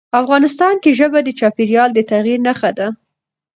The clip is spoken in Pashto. افغانستان کې ژبې د چاپېریال د تغیر نښه ده.